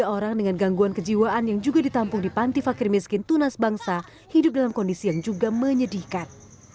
tiga orang dengan gangguan kejiwaan yang juga ditampung di panti fakir miskin tunas bangsa hidup dalam kondisi yang juga menyedihkan